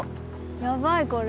やばいこれ。